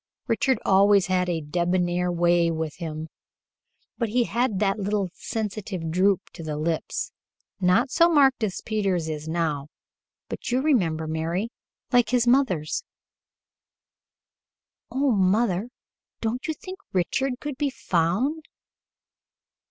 Richard always had a debonair way with him, but he had that little, sensitive droop to the lips not so marked as Peter's is now but you remember, Mary like his mother's." "Oh, mother, don't you think Richard could be found?"